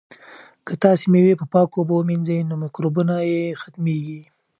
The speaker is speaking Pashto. که تاسي مېوې په پاکو اوبو ومینځئ نو مکروبونه یې ختمیږي.